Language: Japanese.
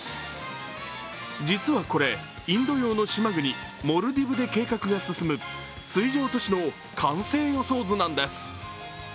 実はこれ、インド洋の島国モルディブで計画が進む水上都市の完成予想図なんです。